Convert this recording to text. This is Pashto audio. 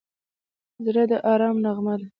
زړه د ارام نغمه ده.